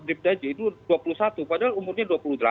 itu dua puluh satu padahal umurnya dua puluh delapan